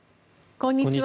こんにちは。